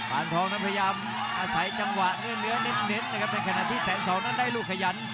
ทองนั้นพยายามอาศัยจังหวะเนื้อเน้นนะครับในขณะที่แสนสองนั้นได้ลูกขยัน